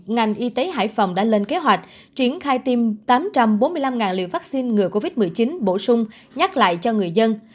ngành y tế hải phòng đã lên kế hoạch triển khai tiêm tám trăm bốn mươi năm liều vaccine ngừa covid một mươi chín bổ sung nhắc lại cho người dân